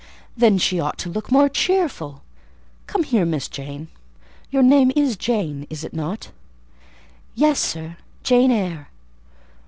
"Then she ought to look more cheerful. Come here, Miss Jane: your name is Jane, is it not?" "Yes, sir, Jane Eyre."